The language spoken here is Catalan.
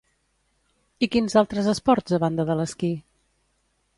I quins altres esports, a banda de l'esquí?